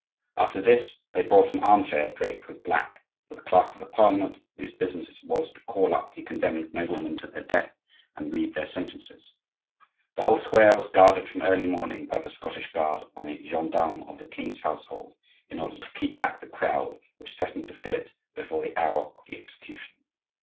After this they brought an arm chair draped with black, for the clerk of the Parliament, whose business it was to call up the condemned noblemen to their death and read their sentences. The whole square was guarded from early morning by the Scottish guard and the gendarmes of the king's household, in order to keep back the crowd which threatened to fill it before the hour of the execution.